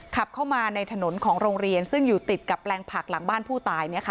ขับเข้ามาในถนนของโรงเรียนซึ่งอยู่ติดกับแปลงผักหลังบ้านผู้ตาย